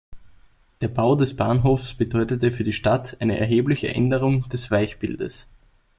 Der Bau des Bahnhofes bedeutete für die Stadt eine erhebliche Änderung des Weichbildes.